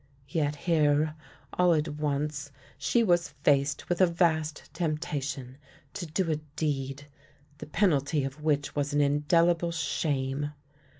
Yet here, all at once, she was faced with a vast temptation, to do a deed, the penalty of which was an indelible shame.